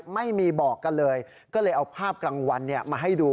ไม่มีบอกกันเลยก็เลยเอาภาพกลางวันมาให้ดู